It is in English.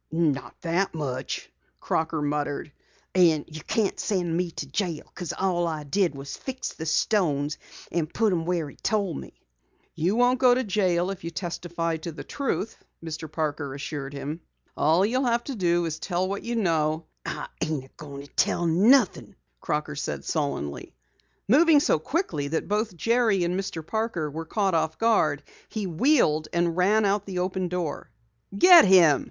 "Not that much," Crocker muttered. "An' you can't send me to jail because all I did was fix the stones and put 'em where he told me." "You won't go to jail if you testify to the truth," Mr. Parker assured him. "All you'll have to do is tell what you know " "I ain't going to tell nothing," Crocker said sullenly. Moving so quickly that both Jerry and Mr. Parker were caught off guard, he wheeled and ran out the open door. "Get him!"